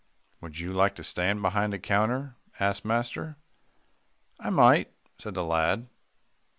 "Would you like to stand behind a counter?" asked master. "I might," said the lad.